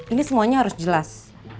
ini semuanya harus jelas